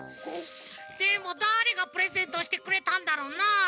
でもだれがプレゼントしてくれたんだろうな？